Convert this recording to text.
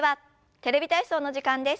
「テレビ体操」の時間です。